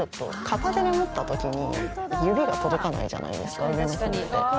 片手で持った時に指が届かないじゃないですか上の方って。